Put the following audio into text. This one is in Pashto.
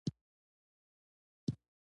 ځنګلونو رغونه د ایکوسیستمي خدمتونو.